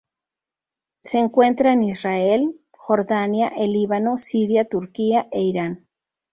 Se encuentra en Israel, Jordania, el Líbano, Siria, Turquía e Irán.